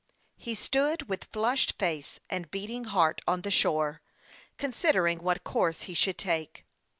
He stood, with flushed face and beating heart, on the shore, considering what course he should take.